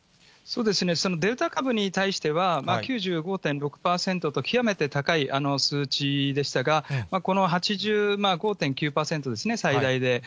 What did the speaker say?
デルタ株に対しては９５．６％と、極めて高い数値でしたが、この８５．９％ですね、最大で。